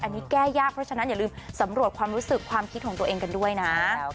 อันนี้แก้ยากเพราะฉะนั้นอย่าลืมสำรวจความรู้สึกความคิดของตัวเองกันด้วยนะ